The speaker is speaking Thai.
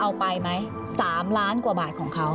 เอาไปไหม๓ล้านกว่าบาทของเขา